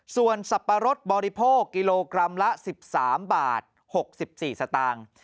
ส่วนสับปะรดบริโภคกิโลกรัมละ๑๓บาท๖๔สตางค์